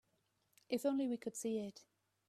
If only we could see it.